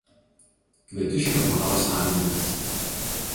Kvietiškio dvaro savininkas.